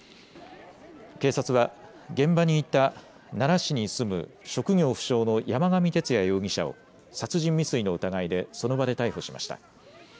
警察は現場にいた奈良市に住む職業不詳の山上徹也容疑者を殺人未遂の疑いでその場で逮捕しました。